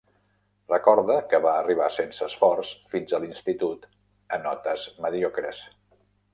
Recorda que "va arribar sense esforç" fins a l'institut a notes mediocres.